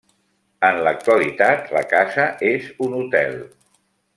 En l'actualitat la casa és un hotel.